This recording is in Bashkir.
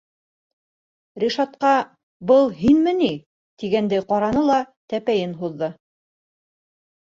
Ришатҡа, был һинме ни, тигәндәй ҡараны ла тәпәйен һуҙҙы.